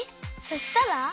そしたら？